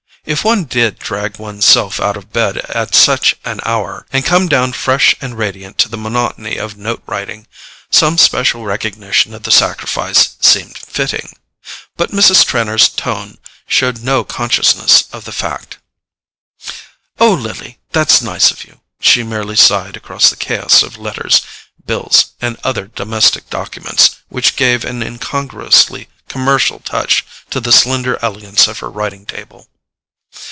If one did drag one's self out of bed at such an hour, and come down fresh and radiant to the monotony of note writing, some special recognition of the sacrifice seemed fitting. But Mrs. Trenor's tone showed no consciousness of the fact. "Oh, Lily, that's nice of you," she merely sighed across the chaos of letters, bills and other domestic documents which gave an incongruously commercial touch to the slender elegance of her writing table.